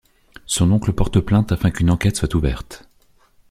Son oncle porte plainte afin qu'une enquête soit ouverte.